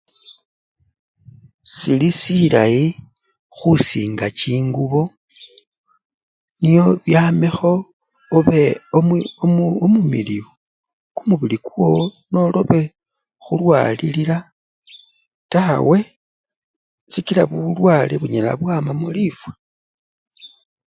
Sili silayi khusinga chingubo nioyamekho ebe! ube umumiliyu kumubili kwowo nolobe khulwalilila tawe sikila bulwale bunyala bwamamo lifwa.